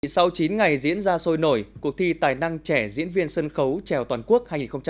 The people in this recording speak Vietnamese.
sau chín ngày diễn ra sôi nổi cuộc thi tài năng trẻ diễn viên sân khấu trèo toàn quốc hai nghìn hai mươi